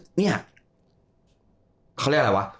เขาเรียกอะไรวะ